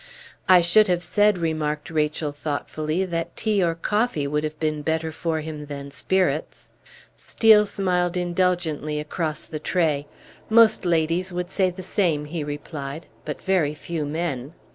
"I should have said," remarked Rachel, thoughtfully, "that tea or coffee would have been better for him than spirits." Steel smiled indulgently across the tray. "Most ladies would say the same," he replied, "but very few men."